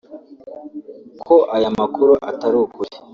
ko ayo makuru atari ukuri